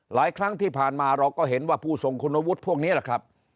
หลายครั้งที่ผ่านมาเราก็เห็นว่าผู้ทรงคุณวุฒิพวกนี้แหละครับ